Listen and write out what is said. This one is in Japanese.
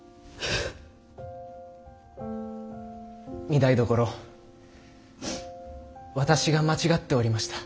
御台所私が間違っておりました。